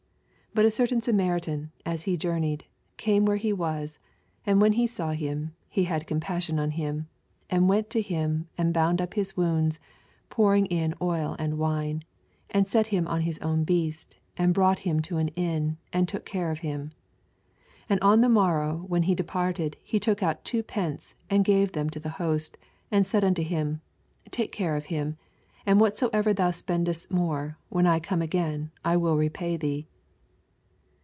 88 But a certain Samaritan, as he journeyed^ came where he was : and when he saw him, he had compassion on hinij 34 And went to him, and bound up his wounds, pouring in oil and wine, and set him on his own beast, and brought him to an inn, and took care of him. 85 And on the morrow when he departed, he took out two pence, and gave tkem to the host, and said unto him. Take care of him : and whatso ever thou spendest more, when I come again, I will repay thee.